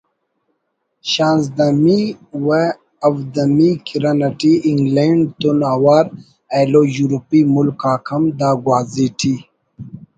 شانزدہمی وہودہمی کرن اٹی انگلینڈ تون اوار ایلو یورپی ملک آک ہم دا گوازی ٹی